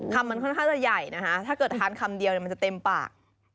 คำมันค่อนข้างจะใหญ่นะคะถ้าเกิดทานคำเดียวมันจะเต็มปาก